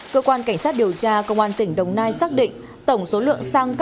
cơ quan cảnh sát điều tra công an tỉnh đồng nai xác định tổng số lượng xăng